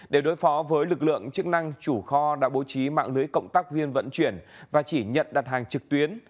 để đối phó với lực lượng chức năng chủ kho đã bố trí mạng lưới cộng tác viên vận chuyển và chỉ nhận đặt hàng trực tuyến